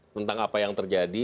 tentang apa yang terjadi